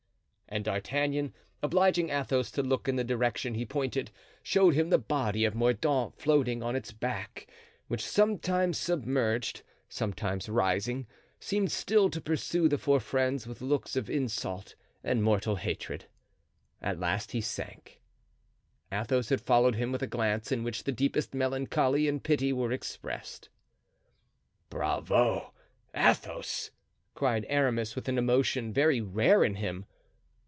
and D'Artagnan, obliging Athos to look in the direction he pointed, showed him the body of Mordaunt floating on its back, which, sometimes submerged, sometimes rising, seemed still to pursue the four friends with looks of insult and mortal hatred. At last he sank. Athos had followed him with a glance in which the deepest melancholy and pity were expressed. "Bravo! Athos!" cried Aramis, with an emotion very rare in him.